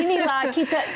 nah inilah kita